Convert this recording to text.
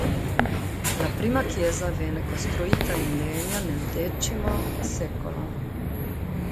La prima chiesa venne costruita in legno nel X secolo.